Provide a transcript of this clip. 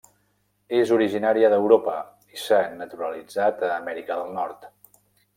És originària d'Europa i s'ha naturalitzat a Amèrica del Nord.